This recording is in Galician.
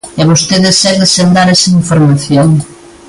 E vostede segue sen dar esa información.